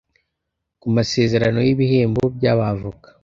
ku masezerano y ibihembo by abavoka